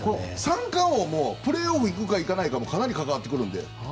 三冠王もプレーオフ行くか行かないかもかかってくるので。